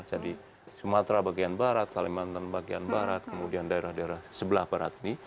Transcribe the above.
jadi sumatera bagian barat kalimantan bagian barat kemudian daerah daerah sebelah barat ini